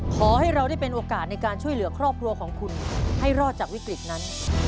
ขอให้เราได้เป็นโอกาสในการช่วยเหลือครอบครัวของคุณให้รอดจากวิกฤตนั้น